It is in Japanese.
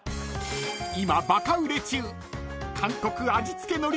［今バカ売れ中］